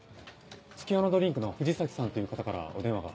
月夜野ドリンクの藤崎さんという方からお電話が。